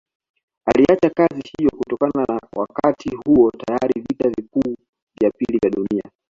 Aliacha kazi hiyo kutokana na Wakati huo tayari vita vikuu vya pili vya dunia